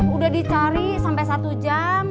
udah dicari sampai satu jam